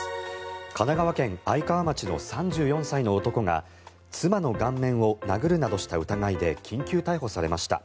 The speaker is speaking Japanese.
神奈川県愛川町の３４歳の男が妻の顔面を殴るなどした疑いで緊急逮捕されました。